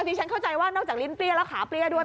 ฉันเข้าใจว่านอกจากลิ้นเปรี้ยแล้วขาเปรี้ยด้วย